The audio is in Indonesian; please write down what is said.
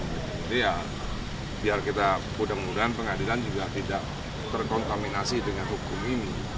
jadi ya biar kita mudah mudahan pengadilan juga tidak terkontaminasi dengan hukum ini